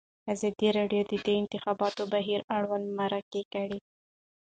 ازادي راډیو د د انتخاباتو بهیر اړوند مرکې کړي.